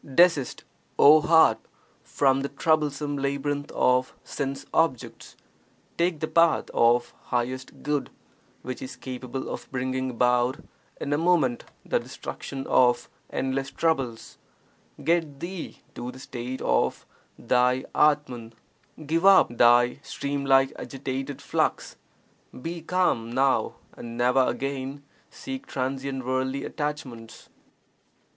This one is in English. Desist, O heart, from the troublesome labyrinth of sense objects; take the path of (highest) good which is capable of bringing about in a moment the destruction of HUNDRED VERSES ON RENUNCIATION 41 endless troubles; get thee to the state of thy Atman; give up thy stream like agitated flux; be calm now and never again seek transient worldly attachments.